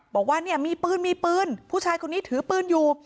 บอกว่าเนี่ยมีปืนมีปืนผู้ชายคนนี้ถือปืนอยู่